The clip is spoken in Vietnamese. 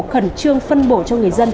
khẩn trương phân bổ cho người dân